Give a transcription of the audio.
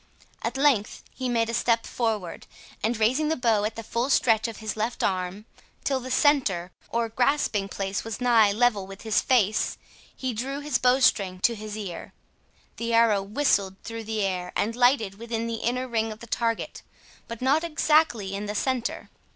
At length he made a step forward, and raising the bow at the full stretch of his left arm, till the centre or grasping place was nigh level with his face, he drew his bowstring to his ear. The arrow whistled through the air, and lighted within the inner ring of the target, but not exactly in the centre.